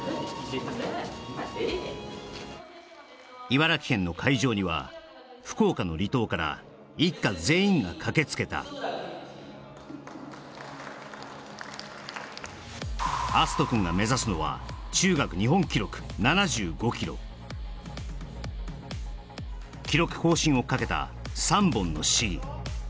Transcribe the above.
茨城県の会場には福岡の離島から一家全員が駆けつけた敬くんが目指すのは記録更新をかけた３本の試技